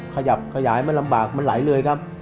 ขยับขยายมันลำบากมันไหลเลยครับ